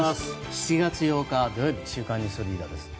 ７月８日、土曜日「週刊ニュースリーダー」です。